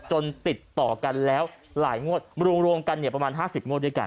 ติดต่อกันแล้วหลายงวดรวมกันเนี่ยประมาณ๕๐งวดด้วยกัน